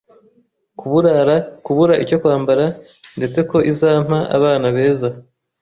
kuburara, kubura icyo kwambara, ndetse ko izampa abana beza